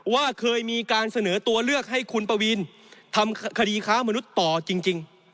ว่าเคยมีการเสนอตัวเลือกให้คุณปวีนทำคดีค้ามนุษย์ต่อจริง